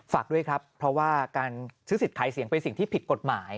ฝากด้วยครับเพราะว่าการซื้อสิทธิ์ขายเสียงเป็นสิ่งที่ผิดกฎหมาย